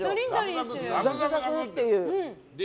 ザクザクっていう。